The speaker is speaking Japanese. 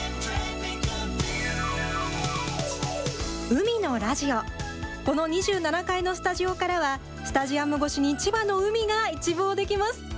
海のラジオ、この２７階のスタジオからはスタジアム越しに千葉の海が一望できます。